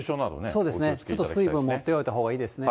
そうですね、ちょっと水分持っておいたほうがいいですね。